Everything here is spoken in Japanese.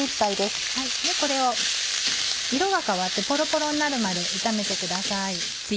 これを色が変わってポロポロになるまで炒めてください。